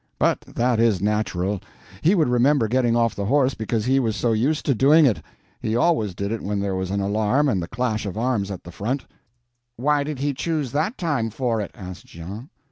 But that is natural; he would remember getting off the horse because he was so used to doing it. He always did it when there was an alarm and the clash of arms at the front." "Why did he choose that time for it?" asked Jean.